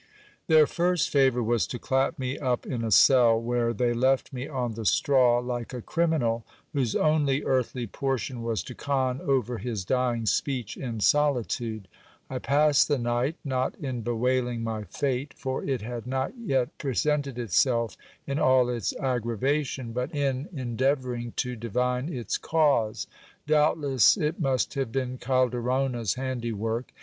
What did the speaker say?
Their first favour was to clap me up in a cell, where they left me on the straw like a criminal, whose only earthly portion was to con over his dying speech in solitude. I passed the night, not in bewailing my fate, for it had not yet pre sented itself in all its aggravation, but in endeavouring to divine its cause. Doubtless it must have been Calderona's handywork.